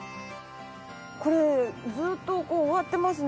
これずっとこう植わってますね。